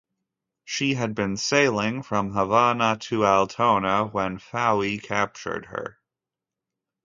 She had been sailing from Havana to Altona when "Fowey" captured her.